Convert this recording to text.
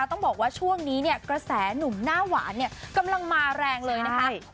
ต้องบอกว่าช่วงนี้เนี่ยกระแสหนุ่มหน้าหวานเนี่ยกำลังมาแรงเลยนะคะ